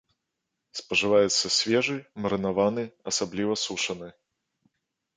Спажываецца свежы, марынаваны, асабліва сушаны.